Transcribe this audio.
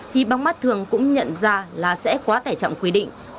thì bóng mắt thường cũng nhận ra là sẽ quá tải trọng quy định